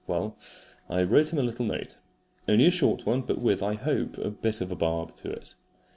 Well, I wrote him a little note only a short one, but with, I hope, a bit of a barb to it.